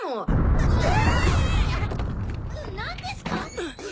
何ですか？